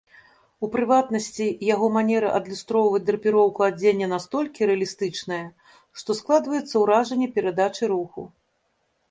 У прыватнасці, яго манера адлюстроўваць драпіроўку адзення настолькі рэалістычная, што складваецца ўражанне перадачы руху.